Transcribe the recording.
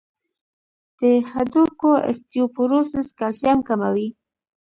د هډوکو اوسټيوپوروسس کلسیم کموي.